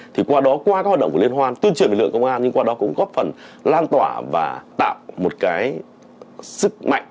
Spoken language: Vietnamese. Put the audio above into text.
thì qua đó qua các hoạt động của liên hoan tuyên truyền lực lượng công an nhưng qua đó cũng góp phần lan tỏa và tạo một cái sức mạnh